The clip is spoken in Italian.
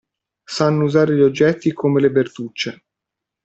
Sanno usare gli oggetti come le Bertucce.